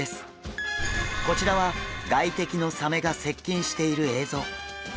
こちらは外敵のサメが接近している映像。